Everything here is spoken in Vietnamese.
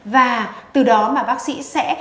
và từ đó bác sĩ sẽ